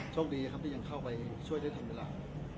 โชคดีครับที่ยังเข้าไปช่วยได้ทันเวลา